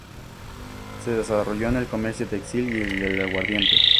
Se desarrolló el comercio textil y el del aguardiente.